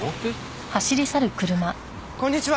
こんにちは！